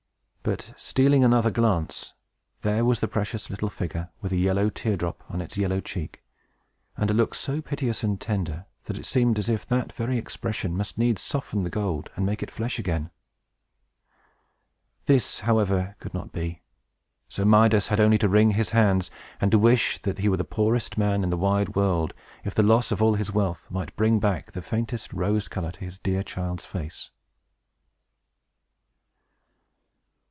But, stealing another glance, there was the precious little figure, with a yellow tear drop on its yellow cheek, and a look so piteous and tender, that it seemed as if that very expression must needs soften the gold, and make it flesh again. This, however, could not be. So Midas had only to wring his hands, and to wish that he were the poorest man in the wide world, if the loss of all his wealth might bring back the faintest rose color to his dear child's face.